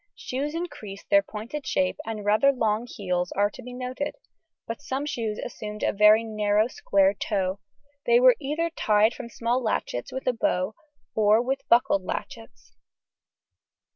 Shoes increased their pointed shape and rather large heels are to be noted, but some shoes assumed a very narrow square toe; they were either tied from small latchets with a bow, or with buckled latchets.